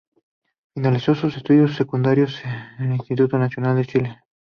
Finalizó sus estudios secundarios en el Instituto Nacional de Chile.